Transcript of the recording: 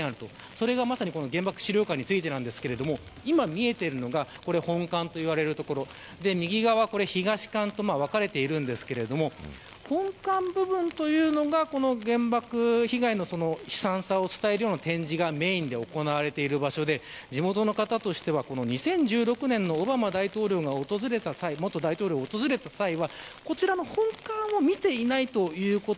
それがまさに原爆資料館についてですが今見えているのが本館といわれる所右側、東館と分かれていますが本館部分というのが原爆被害の悲惨さを伝えるような展示がメーンで行われている場所で地元の方としては２０１６年のオバマ大統領が訪れた際オバマ元大統領が訪れた際には本館を見ていないということ。